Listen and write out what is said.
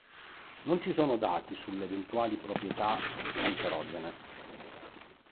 Non ci sono dati sulle eventuali proprietà cancerogene.